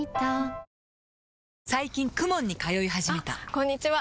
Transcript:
あこんにちは！